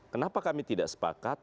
kenapa kami tidak sepakat